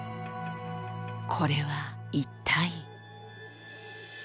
これは一体。